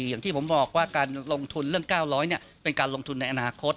อย่างที่ผมบอกว่าการลงทุนเรื่อง๙๐๐เป็นการลงทุนในอนาคต